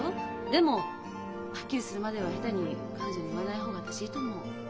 でもはっきりするまでは下手に彼女に言わない方が私いいと思う。